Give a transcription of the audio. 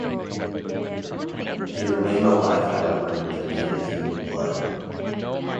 He remained alive, however, and demanded human blood.